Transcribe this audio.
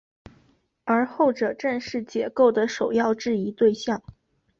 而后者正是解构的首要质疑对象。